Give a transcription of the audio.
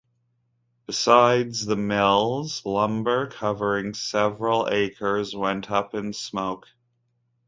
Besides the mills, lumber covering several acres went up in smoke.